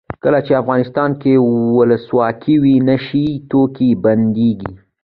کله چې افغانستان کې ولسواکي وي نشه یي توکي بندیږي.